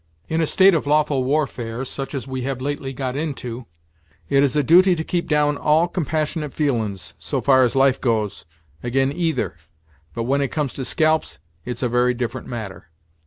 In a state of lawful warfare, such as we have lately got into, it is a duty to keep down all compassionate feelin's, so far as life goes, ag'in either; but when it comes to scalps, it's a very different matter."